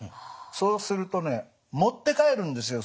そうするとね持って帰るんですよ